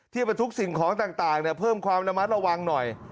บรรทุกสิ่งของต่างเพิ่มความระมัดระวังหน่อย